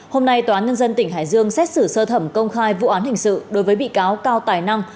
hôm nay tòa án nhân dân tỉnh hải dương xét xử sơ thẩm công khai vụ án hình sự đối với bị cáo cao tài năng